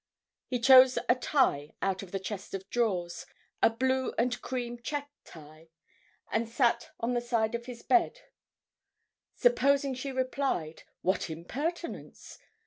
He chose a tie out of the chest of drawers, a blue and cream check tie, and sat on the side of his bed. Supposing she replied, "What impertinence!"